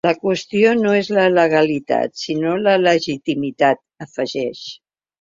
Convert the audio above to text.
La qüestió no és la legalitat sinó la legitimitat, afegeix.